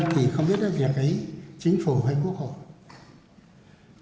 thì không biết đến việc ấy chính phủ hay quốc hội